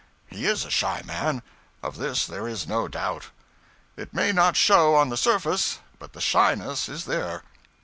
He is a shy man. Of this there is no doubt. It may not show on the surface, but the shyness is there.